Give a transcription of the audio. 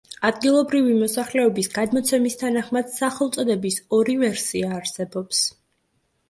ადგილობრივი მოსახლეობის გადმოცემის თანახმად სახელწოდების ორი ვერსია არსებობს.